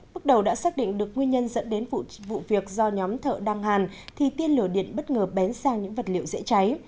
bước đầu đã xác định được nguyên nhân dẫn đến vụ việc do nhóm thợ đăng hàn thì tiên lửa điện bất ngờ bén sang những vật liệu dễ cháy